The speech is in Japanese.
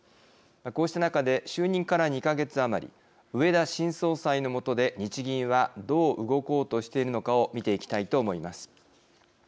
こうした中で就任から２か月余り植田新総裁の下で日銀はどう動こうとしているのかを見ていきたいと思います。